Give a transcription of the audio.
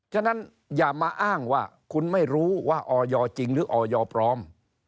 ฉะนั้นอย่ามาอ้างว่าคุณไม่รู้ว่าออยจริงหรือออยปลอม